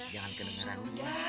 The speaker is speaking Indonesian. jangan kedengeran dulu